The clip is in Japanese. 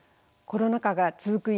コロナ禍が続く